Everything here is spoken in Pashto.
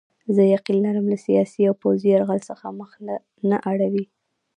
زه یقین لرم له سیاسي او پوځي یرغل څخه مخ نه اړوي.